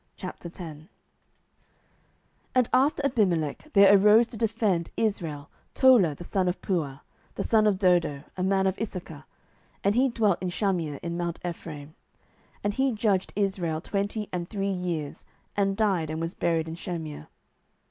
07:010:001 And after Abimelech there arose to defend Israel Tola the son of Puah, the son of Dodo, a man of Issachar; and he dwelt in Shamir in mount Ephraim. 07:010:002 And he judged Israel twenty and three years, and died, and was buried in Shamir.